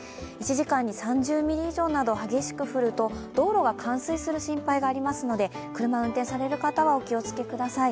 １時間に３０ミリ以上など激しく降ると道路が冠水する心配がありますので車を運転する方はお気をつけください。